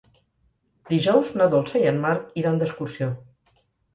Dijous na Dolça i en Marc iran d'excursió.